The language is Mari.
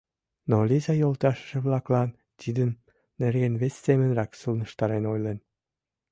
Но Лиза йолташыже-влаклан тидын нерген вес семынрак сылнештарен ойлен: